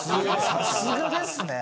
さすがですね。